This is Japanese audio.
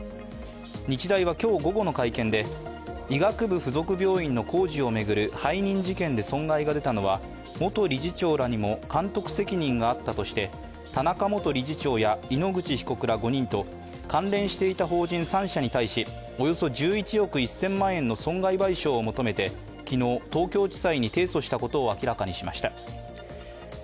日大は今日午後の会見で医学部附属病院の工事を巡る背任事件で損害が出たのは元理事長にも監督責任があったとして田中元理事長や井ノ口被告ら５人と関連していた法人３社に対しおよそ１１億１０００万円の損害賠償を求めて昨日、東京地裁に提訴したことを明らかにしました。